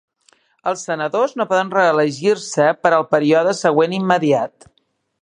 Els senadors no poden reelegir-se per al període següent immediat.